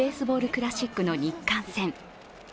クラシックの日韓戦。